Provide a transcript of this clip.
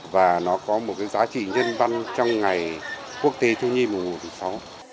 và nó có một giá trị nhân văn trong ngày quốc tế thu nhiên mùa sáu